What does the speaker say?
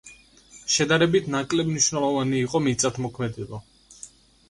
შედარებით ნაკლებ მნიშვნელოვანი იყო მიწათმოქმედება.